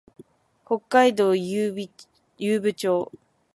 北海道雄武町